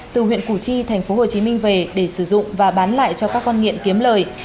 từ huyện củ chi thành phố hồ chí minh về để sử dụng và bán lại cho các con nghiện kiếm lời